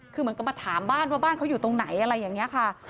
คือเหมือนกับมาถามบ้านว่าบ้านเขาอยู่ตรงไหนอะไรอย่างนี้ค่ะ